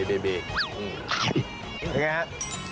เป็นไงครับ